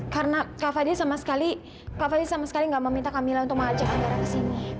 karena kak fadil sama sekali kak fadil sama sekali nggak meminta kamila untuk mengajak andara ke sini